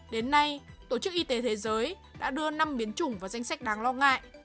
đến nay tổ chức y tế thế giới đã đưa năm biến chủng vào danh sách đáng lo ngại